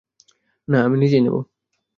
না, আমি নিজেই নেব।